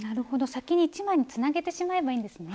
先に１枚につなげてしまえばいいんですね。